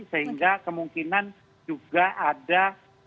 sehingga kemungkinan juga ada